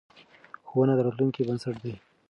ښوونه د راتلونکې بنسټ دی.